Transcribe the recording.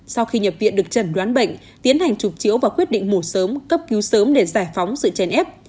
sau khi nhập viện được trần đoán bệnh tiến hành trục chiếu và quyết định mổ sớm cấp cứu sớm để giải phóng sự chèn ép